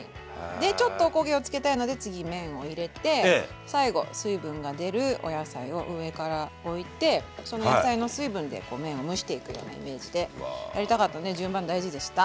でちょっとおこげをつけたいので次麺を入れて最後水分が出るお野菜を上から置いてその野菜の水分で麺を蒸していくようなイメージでやりたかったので順番大事でした。